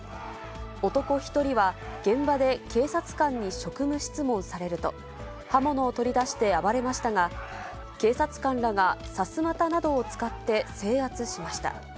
男１人は現場で警察官に職務質問されると、刃物を取り出して暴れましたが、警察官らが、さすまたなどを使って制圧しました。